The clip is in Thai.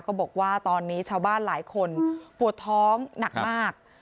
บอกว่าตอนนี้ชาวบ้านหลายคนปวดท้องหนักมาก